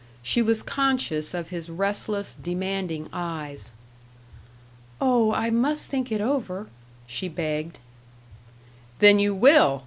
She was conscious of his restless, demanding eyes. "Oh, I must think it over," she begged. "Then you will!"